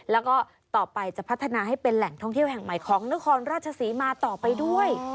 แล้วก็ต่อไปจะพัฒนาให้เป็นแหล่งท่องเที่ยวแห่งใหม่ของนครราชศรีมาต่อไปด้วย